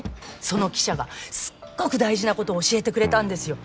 その記者がすっごく大事なこと教えてくれたんですよ。